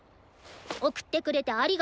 送ってくれてありがと。